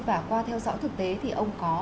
và qua theo dõi thực tế thì ông có